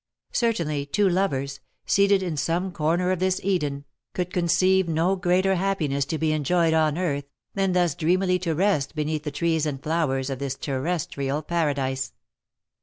Certainly two lovers, seated in some corner of this Eden, could conceive no greater happiness to be enjoyed on earth, than thus dreamily to rest beneath the trees and flowers of this terrestrial paradise.